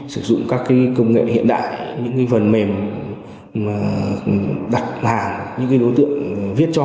sử dụng các công nghệ hiện đại những phần mềm đặt hàng những đối tượng viết cho